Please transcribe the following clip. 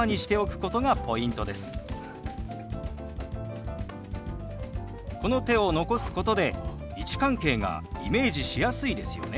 この手を残すことで位置関係がイメージしやすいですよね。